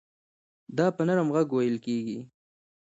دا په نرم غږ وېل کېږي.